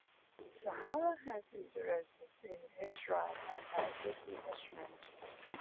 Sahara has interests in insurance and asset management.